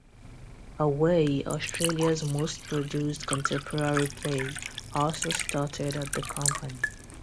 "Away", Australia's most produced contemporary play, also started at the company.